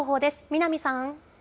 南さん。